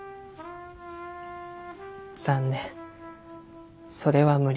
残念それは無理。